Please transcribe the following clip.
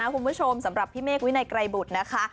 คุณผู้ชมสำหรับพี่เมฆวินัยไกรบุตรนะคะ